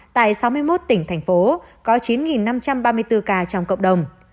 tại sáu mươi một tỉnh thành phố có chín năm trăm ba mươi bốn ca trong cộng đồng